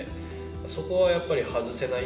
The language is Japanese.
そこはやっぱり外せない。